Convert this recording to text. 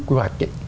quy hoạch ấy